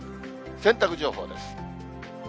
洗濯情報です。